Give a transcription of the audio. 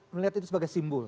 melihat itu sebagai simbol